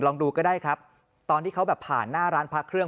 ลองดูก็ได้ครับตอนที่เขาแบบผ่านหน้าร้านพระเครื่อง